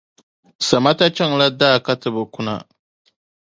Samata chaŋla daa ka ti be kuna